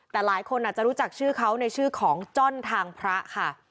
แต่หลายคนอาจจะรู้จักชื่อเขาในชื่อของจ้อนทางพระค่ะ